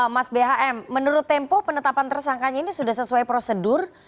mas bhm menurut tempo penetapan tersangkanya ini sudah sesuai prosedur